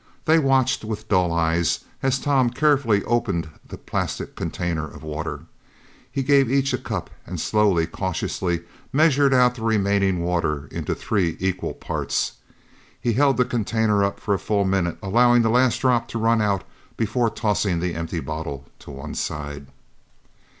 They watched with dull eyes as Tom carefully opened the plastic container of water. He gave each a cup and slowly, cautiously, measured out the remaining water into three equal parts. He held the container up for a full minute allowing the last drop to run out before tossing the empty bottle to one side.